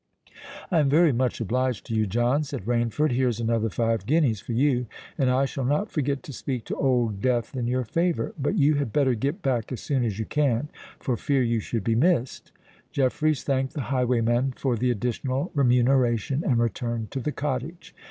"I am very much obliged to you, John," said Rainford. "Here's another five guineas for you—and I shall not forget to speak to Old Death in your favour. But you had better get back as soon as you can, for fear you should be missed." Jeffreys thanked the highwayman for the additional remuneration, and returned to the cottage.